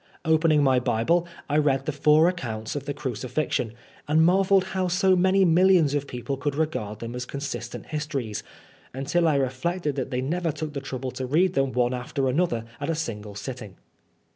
Opening my Bible, I read the four accounts of the Crucifixion, and marvelled how so many millions of people could regard them as con* sistent histories, until I reflected that they never took the trouble to read them one after another at a single sitting.